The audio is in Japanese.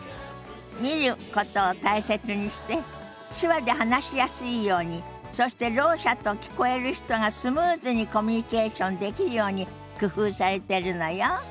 見ることを大切にして手話で話しやすいようにそしてろう者と聞こえる人がスムーズにコミュニケーションできるように工夫されてるのよ。